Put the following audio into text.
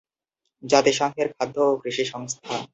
জাতিসংঘের খাদ্য ও কৃষি সংস্থা।